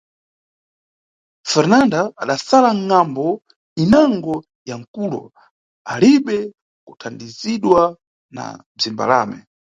Ferinanda adasala ngʼambu inango ya nʼkulo, alibe kuthandizidwa na bzimbalame.